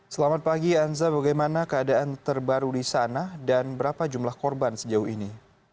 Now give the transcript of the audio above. selamat pagi anza bagaimana keadaan terbaru di sana dan berapa jumlah korban sejauh ini